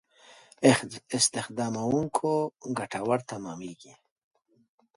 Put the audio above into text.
استخداموونکو ګټور تمامېږي.